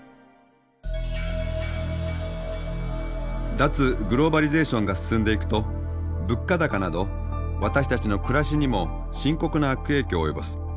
脱グローバリゼーションが進んでいくと物価高など私たちの暮らしにも深刻な悪影響を及ぼす。